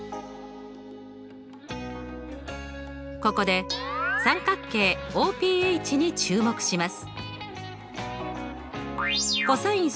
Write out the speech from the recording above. ここで三角形ＯＰＨに注目します。